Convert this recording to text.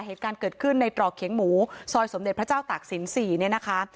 เหตุการณ์เกิดขึ้นในตรอกเขียงหมูซอยสมเด็จพระเจ้าตากศิลป๔เนี่ยนะคะ